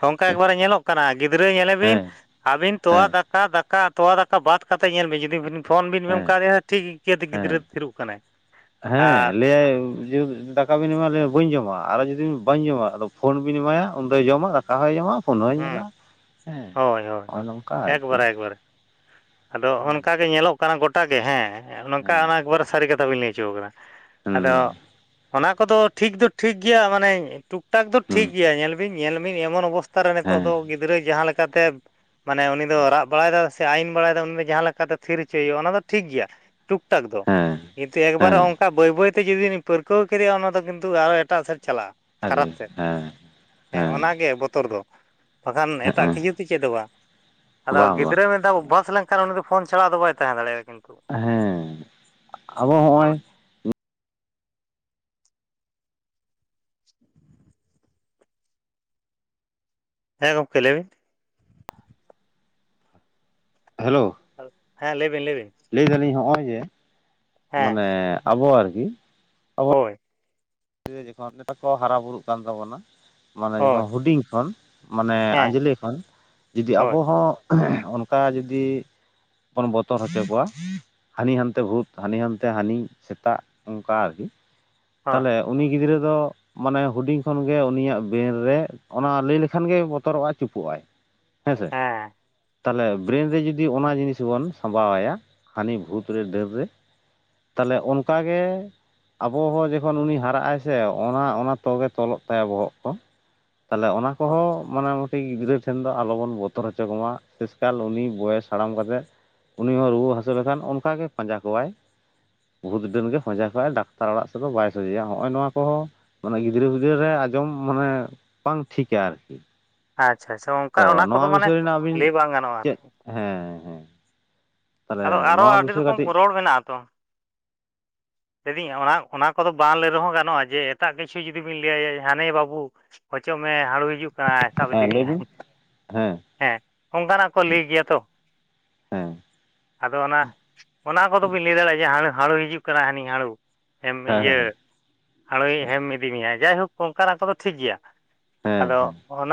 ᱚᱝᱠᱟ ᱮᱠᱵᱟᱨᱮ ᱧᱮᱞᱚᱜ ᱠᱟᱱᱟ ᱜᱤᱫᱽᱨᱟᱹ ᱧᱮᱞᱮ ᱵᱤᱱ ᱦᱮᱸ ᱟᱹᱵᱤᱱ ᱛᱚᱣᱟ ᱫᱟᱠᱟ ᱫᱟᱠᱟ ᱛᱚᱣᱟ ᱫᱟᱠᱟ ᱵᱟᱫ ᱠᱟᱛᱮ ᱧᱮᱞ ᱵᱤᱱ ᱡᱩᱫᱤ ᱵᱤᱱ ᱯᱷᱳᱱ ᱵᱤᱱ ᱦᱮᱸ [unintelligible] ᱴᱷᱤᱠ ᱤᱠᱟᱹᱛᱮ ᱜᱤᱫᱽᱨᱟᱹ ᱦᱮᱸ ᱛᱷᱤᱨᱚᱜ ᱠᱟᱱᱟᱭ᱾ ᱦᱮᱸ ᱟᱨ ᱞᱟᱹᱭᱟᱭ [inaudible] ᱫᱟᱠ ᱠᱟ ᱵᱤᱱ ᱮᱢᱟ ᱫᱮᱭᱟ ᱵᱟᱹᱧ ᱡᱚᱢᱟ ᱟᱨᱚ ᱡᱩᱫᱤᱢ ᱵᱟᱹᱧ ᱡᱚᱢᱟ ᱟᱫᱚ ᱯᱷᱳᱱ ᱵᱤᱱ ᱮᱢᱟᱭᱟ ᱩᱱᱫᱚᱭ ᱡᱚᱢᱟ ᱠᱟ ᱦᱚᱸᱭ ᱡᱟᱢᱟ ᱯᱷᱳᱱ ᱦᱚᱣ ᱦᱩᱸ ᱧᱮᱞᱟ ᱦᱮᱸ ᱦᱳᱭ ᱦᱳᱭ ᱦᱚᱸᱭ ᱦᱳᱭ ᱱᱚᱝᱠᱟ ᱟᱨᱠᱤ᱾ ᱮᱠᱵᱟᱨᱮ ᱮᱠᱵᱟᱨᱮ ᱟᱫᱚ ᱚᱱᱠᱟ ᱜᱮ ᱧᱮᱞᱚᱜ ᱠᱟᱱᱟ ᱜᱚᱴᱟ ᱜᱮ ᱦᱮᱸ ᱱᱚᱝᱠᱟ ᱦᱮᱸ ᱚᱱᱟ ᱮᱠᱵᱟᱨᱮ ᱥᱟᱹᱨᱤ ᱠᱟᱛᱷᱟ ᱵᱤᱱ ᱞᱟᱹᱭ ᱦᱚᱪᱚ ᱠᱟᱫᱟ᱾ ᱟᱫᱚ ᱦᱩᱸ ᱚᱱᱟ ᱠᱚᱫᱚ ᱴᱷᱤᱠ ᱫᱚ ᱴᱷᱤᱠ ᱜᱮᱭᱟ ᱢᱟᱱᱮ ᱮᱠᱴᱩᱠ ᱴᱟᱠ ᱫᱚ ᱦᱩᱸ ᱴᱷᱤᱠ ᱜᱮᱭᱟ ᱧᱮᱞ ᱵᱤᱱ ᱧᱮᱞ ᱢᱤᱱ ᱮᱢᱚᱱ ᱚᱵᱚᱥᱛᱷᱟ ᱨᱮ ᱱᱤᱛᱚᱜ ᱦᱮᱸ ᱫᱚ ᱜᱤᱫᱽᱨᱟᱹ ᱡᱟᱦᱟᱸ ᱞᱮᱠᱟᱛᱮ, ᱢᱟᱱᱮ ᱩᱱᱤ ᱫᱚ ᱨᱟᱜ ᱵᱟᱲᱟᱭᱮᱫᱟᱭ ᱥᱮ ᱟᱹᱭᱤᱱ ᱵᱟᱲᱟᱭᱮᱫᱟ ᱩᱱ ᱫᱚ ᱡᱟᱦᱟᱸ ᱞᱮᱠᱟᱛᱮ ᱛᱷᱤᱨ ᱦᱚᱪᱚᱭ ᱦᱳᱭᱳᱜᱼᱟ ᱚᱱᱟ ᱫᱚ ᱴᱷᱤᱠ ᱜᱮᱭᱟ, ᱴᱩᱠ ᱴᱟᱠ ᱫᱚ ᱦᱮᱸ ᱠᱤᱱᱛᱩ ᱮᱠᱵᱟᱨᱮ ᱦᱮᱸ ᱚᱝ ᱠᱟ ᱵᱟᱹᱭ ᱵᱟᱹᱭᱛᱮ ᱡᱩᱫᱤᱧ ᱯᱟᱹᱨᱠᱟᱹᱣ ᱠᱮᱫᱮᱭᱟ ᱚᱱᱟ ᱫᱚ ᱠᱤᱱᱛᱩ ᱟᱨᱚᱴᱟᱜ ᱥᱮᱫ ᱪᱟᱞᱟᱜᱼᱟ᱾ ᱟᱨᱮ ᱠᱷᱟᱨᱟᱯ ᱥᱮᱫ ᱦᱮᱸ ᱦᱮᱸ ᱚᱱᱟᱜᱮ ᱵᱚᱛᱚᱨ ᱫᱚ᱾ ᱵᱟᱠᱷᱟᱱ ᱮᱴᱟᱜ ᱦᱮᱸ ᱠᱤᱪᱷᱩ ᱛᱮ ᱪᱮᱫ ᱦᱚᱸ ᱵᱟᱝ ᱟᱫᱚ ᱵᱟᱝ ᱵᱟᱝ ᱜᱤᱫᱽᱨᱟᱹ ᱢᱤᱫᱵᱷᱟᱳ ᱳᱵᱷᱟᱥ ᱞᱮᱱ ᱠᱷᱟᱱ ᱩᱱᱤ ᱫᱚ ᱯᱷᱳᱱ ᱪᱷᱟᱲᱟ ᱟᱫᱚ ᱵᱟᱭ ᱛᱟᱦᱮᱸ ᱫᱟᱲᱮᱭᱟᱜᱼᱟ ᱠᱤᱱᱛᱩ᱾ ᱦᱮᱸ ᱟᱵᱚ ᱦᱚᱜᱼᱚᱭ, ᱦᱮᱸ ᱜᱚᱝᱠᱮ ᱞᱟᱹᱭ ᱵᱤᱱ᱾ ᱦᱮᱞᱳ, ᱦᱮᱸ ᱞᱟᱹᱭᱵᱤᱱ ᱞᱟᱹᱭ ᱵᱤᱱ, ᱞᱟᱹᱭ ᱫᱟᱞᱤᱧ ᱦᱚᱸ-ᱚᱭ ᱡᱮ ᱦᱮᱸ ᱢᱟᱱᱮ ᱟᱵᱚ ᱟᱨᱠᱤ, ᱦᱳᱭ, [unintelligible] ᱛᱟᱠᱚ ᱦᱟᱨᱟ ᱵᱩᱨᱩᱜ ᱠᱟᱱ ᱛᱟᱵᱚᱱᱟ ᱢᱟᱱᱮ ᱦᱳᱭ ᱡᱚᱠᱷᱚᱱ ᱦᱩᱰᱤᱧ ᱠᱷᱚᱱ᱾ ᱢᱟᱱᱮ ᱦᱮᱸ ᱟᱸᱡᱞᱮ ᱠᱷᱚᱱ ᱡᱩᱫᱤ ᱦᱳᱭ ᱟᱵᱚ ᱦᱚᱸ ᱚᱱᱠᱟ ᱡᱩᱫᱤ, ᱵᱚᱱ ᱵᱚᱛᱚᱨ ᱦᱚᱪᱚ ᱠᱚᱣᱟ, ᱦᱟᱹᱱᱤ ᱦᱟᱱᱛᱮ ᱵᱷᱩᱛ ᱦᱟᱹᱱᱤ ᱦᱟᱱᱛᱮ ᱦᱟᱹᱱᱤ ᱥᱮᱛᱟ ᱚᱱᱠᱟ ᱟᱨᱠᱤ ᱦᱳᱭ ᱛᱟᱦᱞᱮ, ᱜᱤᱫᱽᱨᱟᱹ ᱫᱚ, ᱢᱟᱱᱮ ᱦᱩᱰᱤᱧ ᱠᱷᱚᱱᱜᱮ ᱩᱱᱤᱭᱟᱜ ᱵᱮᱨᱮᱱ ᱨᱮ ᱚᱱᱟ ᱞᱟᱹᱭ ᱞᱮᱠᱷᱟ ᱜᱮ ᱵᱚᱛᱚᱨᱚᱜ-ᱟᱭ ᱪᱩᱯᱩᱜ-ᱟᱭ᱾ ᱦᱮᱸ ᱥᱮ᱾ ᱛᱟᱦᱞᱮ ᱵᱮᱨᱮᱱ ᱨᱮ ᱡᱩᱫᱤ ᱚᱱᱟ ᱡᱤᱱᱤᱥ ᱵᱚᱱ ᱥᱟᱢᱵᱟᱣ ᱟᱭᱟ ᱦᱟᱹᱱᱤ ᱵᱷᱩᱛ ᱨᱮ ᱰᱟᱹᱱ ᱨᱮ, ᱛᱟᱦᱞᱮ ᱚᱱᱠᱟᱜᱮ ᱟᱵᱚ ᱦᱚᱸ ᱡᱚᱠᱷᱚᱱ ᱩᱱᱤ ᱦᱟᱨᱟᱜ ᱟᱭᱥᱮ ᱚᱱᱟ ᱚᱱᱟ ᱛᱜᱮ ᱛᱚᱞᱚᱜ ᱛᱟᱭᱟ ᱵᱚᱦᱚᱜ ᱠᱚ ᱛᱟᱦᱞᱮ ᱚᱱᱟ ᱠᱚᱦᱚᱸ, ᱢᱟᱱᱮ ᱢᱩᱴᱤ ᱜᱤᱫᱽᱨᱟᱹ ᱴᱷᱮᱱ ᱫᱚ ᱟᱞᱚᱵᱚᱱ ᱵᱚᱛᱚᱨ ᱦᱚᱪᱚ ᱠᱚᱢᱟ ᱥᱮᱥ ᱠᱟᱞ ᱩᱱᱤ ᱵᱚᱭᱮᱥ ᱦᱟᱲᱟᱢ ᱠᱟᱛᱮᱫ ᱩᱱᱤ ᱦᱚᱸ ᱨᱩᱣᱟᱹ ᱦᱟᱹᱥᱩ ᱞᱮᱠᱷᱟᱱ ᱚᱱᱠᱟᱜᱮ ᱯᱟᱸᱡᱟ ᱠᱚᱣᱟᱭ᱾ ᱵᱷᱩᱛ ᱰᱟᱹᱱ ᱜᱮ ᱯᱟᱡᱟ ᱠᱚᱼᱟᱭ ᱰᱟᱠᱛᱟᱨ ᱚᱲᱟᱜ ᱥᱮᱫ ᱫᱚ ᱵᱟᱭ ᱥᱚᱡᱷᱮᱭᱟ᱾ ᱦᱚᱜᱼᱚᱭ ᱱᱚᱣᱟ ᱠᱚᱦᱚᱸ ᱢᱟᱱᱮ ᱜᱤᱫᱽᱨᱟᱹ ᱯᱤᱫᱽᱨᱟᱹᱨ ᱨᱮ ᱟᱸᱡᱚᱢ ᱢᱟᱱᱮ ᱵᱟᱝ ᱴᱷᱤᱠᱟ ᱟᱨᱠᱤ᱾ ᱟᱪᱪᱷᱟ ᱟᱪᱪᱷᱟ ᱚᱱᱠᱟ ᱛᱚ ᱚᱱᱟ ᱱᱚᱣᱟ ᱠᱚᱫᱚ ᱢᱟᱱᱮ ᱵᱤᱥᱚᱭ ᱨᱮᱱᱟᱜ ᱟᱹᱵᱤᱱ ᱞᱟᱹᱭ ᱵᱟᱝ ᱜᱟᱱᱚᱜᱼᱟ ᱪᱮᱫ ᱟᱨᱠᱤ᱾ ᱦᱮᱸ ᱦᱮᱸ᱾ ᱛᱟᱦᱚᱞᱮ ᱟᱫᱚ ᱟᱨᱚ ᱱᱚᱣᱟ ᱟᱹᱰᱤ ᱵᱤᱥᱚᱭ ᱨᱚᱠᱚᱢ ᱠᱟᱹᱴᱤᱡ ᱨᱚᱲ ᱢᱮᱱᱟᱜᱼᱟ ᱛᱚ᱾ ᱞᱟᱹᱭ ᱫᱤᱧ ᱚᱱᱟ ᱚᱱᱟ ᱠᱚᱫᱚ ᱵᱟᱝ ᱞᱟᱹᱭ ᱨᱮᱦᱚᱸ ᱜᱟᱱᱚᱜᱼᱟ ᱡᱮ ᱮᱴᱟᱜ ᱠᱤᱪᱷᱩ ᱡᱩᱫᱤ ᱵᱤᱱ ᱞᱟᱹᱭᱟᱭᱭᱟ ᱦᱟᱱᱮ ᱵᱟᱹᱵᱩ, ᱚᱪᱚᱜ ᱢᱮ ᱦᱟᱹᱲᱩᱭ ᱦᱤᱡᱩᱜ ᱠᱟᱱᱟᱭ ᱥᱟᱵ ᱦᱮᱸ ᱞᱟᱹᱭ ᱤᱫᱤᱟᱢᱮᱭᱟᱭ ᱵᱤᱱ ᱦᱮᱸ ᱚᱱᱠᱟᱱᱟᱜ ᱠᱚ ᱞᱟᱹᱭ ᱜᱮᱭᱟ ᱛᱚ᱾ ᱦᱮᱸ᱾ ᱟᱫᱚ ᱚᱱᱟ, ᱚᱱᱟ ᱠᱚᱫᱚ ᱵᱤᱱ ᱞᱟᱹᱭ ᱫᱟᱲᱮᱭᱟᱜᱼᱟ ᱡᱮ ᱦᱟᱬᱩ ᱦᱟᱬᱩᱭ ᱦᱤᱡᱩᱜ ᱠᱟᱱᱟ ᱦᱟᱹᱱᱤ ᱦᱟᱬᱩ᱾ ᱦᱮᱢ ᱦᱮᱸ ᱤᱭᱟᱹ, ᱦᱮᱸ ᱦᱟᱬᱩᱭ ᱦᱮᱢ ᱤᱫᱤ ᱢᱮᱭᱟᱭ ᱡᱟᱭᱦᱳᱠ ᱚᱝᱠᱟᱱᱟᱜ ᱠᱚᱫᱚ ᱴᱷᱤᱠ ᱜᱮᱭᱟ᱾ ᱦᱮᱸ ᱟᱫᱚ ᱦᱮᱸ ᱚᱱᱟ